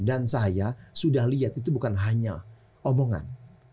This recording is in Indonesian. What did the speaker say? dan saya sudah lihat itu bukan hanya obongan